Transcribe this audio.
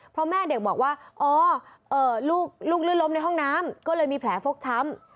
เพราะแม่เด็กบอกว่าอ๋อลูกลื่นล้มในห้องน้ำก็เลยมีแผลฟกช้ำ